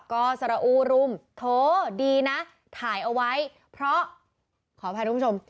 ก็สระอูรุมโถดีนะถ่ายเอาไว้เพราะขออภัยทุกผู้ชม